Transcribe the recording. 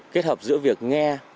kết hợp giữa việc nghe